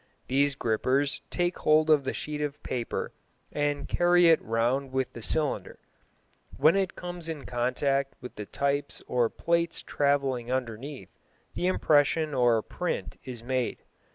These grippers take hold of the sheet of paper and carry it round with the cylinder. When it comes in contact with the types or plates travelling underneath, the impression or print is made.